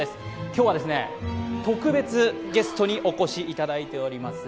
今日は特別ゲストにお越しいただいております。